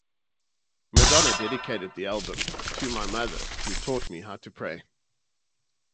Madonna dedicated the album to "My mother, who taught me how to pray".